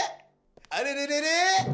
あれれれれ？